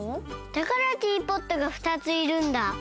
だからティーポットが２ついるんだ。